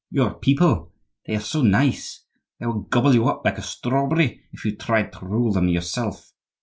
Your people!—they are so nice! They would gobble you up like a strawberry if you tried to rule them yourself.